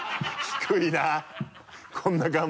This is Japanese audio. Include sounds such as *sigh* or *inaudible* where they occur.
低いな *laughs*